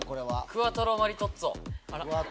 クワトロマリトッツォ。